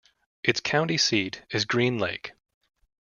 Its county seat is Green Lake.